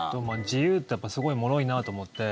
自由ってすごいもろいなと思って。